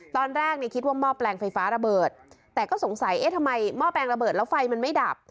ตอนแรกเนี่ยคิดว่าหม้อแปลงไฟฟ้าระเบิดแต่ก็สงสัยเอ๊ะทำไมหม้อแปลงระเบิดแล้วไฟมันไม่ดับ